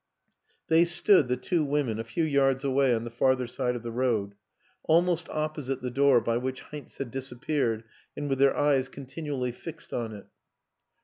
They stood, the two women, a few yards away on the farther side of the road; almost opposite the door by which Heinz had disappeared and with their eyes continually fixed on it.